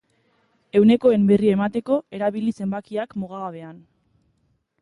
Ehunekoen berri emateko, erabili zenbakiak mugagabean.